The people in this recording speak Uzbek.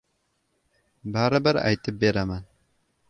— Baribir aytib beraman!